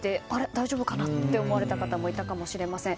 大丈夫かなと思われた方もいたかもしれません。